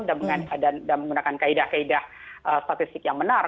dan menggunakan kaedah kaedah statistik yang benar